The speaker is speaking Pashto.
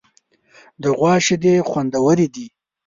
د غوا شیدې خوندورې دي.